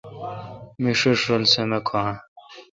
می سر رل سمہ کھو اؘ۔